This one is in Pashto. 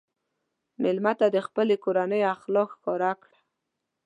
مېلمه ته د خپلې کورنۍ اخلاق ښکاره کړه.